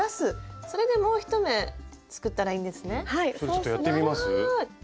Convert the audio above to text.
ちょっとやってみます？